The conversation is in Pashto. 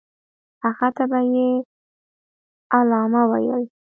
هغه ته به یې علامه ویل.